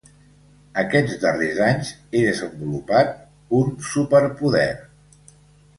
Aquests darrers anys he desenvolupat un superpoder.